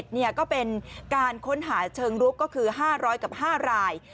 ก็เป็นการค้นหาเชิงลุกก็คือ๕๐๐กับ๕ราย